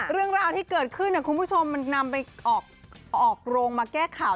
เรื่องราวที่เกิดขึ้นคุณผู้ชมมันนำไปออกโรงมาแก้ข่าว